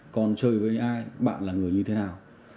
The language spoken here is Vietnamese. còn chơi với ai bạn là người như thế nào